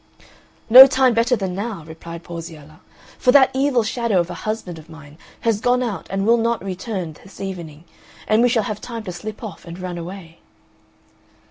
"No time better than now," replied Porziella, "for that evil shadow of a husband of mine has gone out and will not return this evening, and we shall have time to slip off and run away."